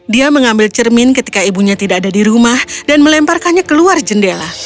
dia mengambil cermin ketika ibunya tidak ada di rumah dan melemparkannya keluar jendela